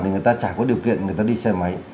thì người ta chả có điều kiện người ta đi xe máy